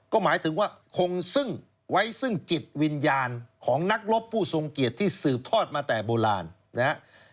ก็หมายถึงว่าคงซึ่งไว้ซึ่งจิตวิญญาณของนักรบผู้ทรงเกียรติที่สืบทอดมาแต่โบราณนะครับ